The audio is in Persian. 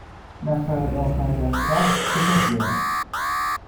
نفر آخر در صف چه کسی است؟